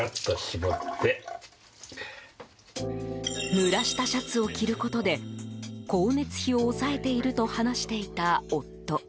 ぬらしたシャツを着ることで光熱費を抑えていると話していた夫。